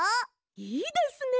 いいですね！